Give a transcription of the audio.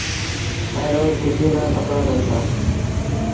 ائيٚݩ روز کُوشيٚ مآݩ ڪپڙآ ڌوئيٚتو۔